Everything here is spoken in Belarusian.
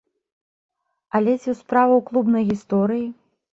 Але ці ў справа ў клубнай гісторыі?